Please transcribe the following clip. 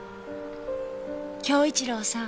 「恭一郎さん